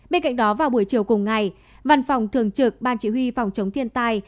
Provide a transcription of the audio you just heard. bên cạnh đó vào buổi chiều cùng ngày văn phòng thường trực ban chỉ huy phòng chống thiên tai